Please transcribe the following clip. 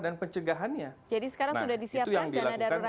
dan pencegahannya nah itu yang dilakukan